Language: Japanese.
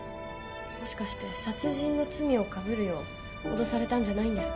もしかして殺人の罪をかぶるよう脅されたんじゃないんですか？